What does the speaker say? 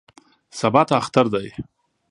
سبا ته اختر دی.